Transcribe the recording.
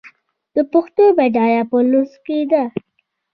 د پښتو بډاینه په لوست کې ده.